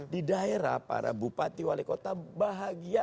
di daerah para bupati wali kota bahagia